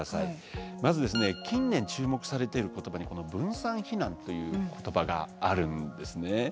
まず近年注目されている言葉に「分散避難」という言葉があるんですね。